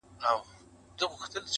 چي زوړ یار مي له اغیار سره خمسور سو٫